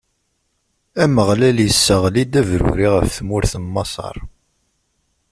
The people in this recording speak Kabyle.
Ameɣlal isseɣli-d abruri ɣef tmurt n Maṣer.